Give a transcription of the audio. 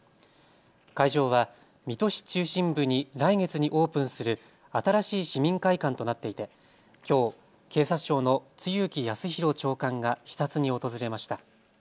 会場は水戸市中心部に来月にオープンする新しい市民会館となっていて、きょう警察庁の露木康浩長官が視察に訪れました。